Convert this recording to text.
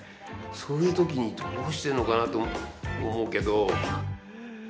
そういうときにどうしてるのかなと思うけど。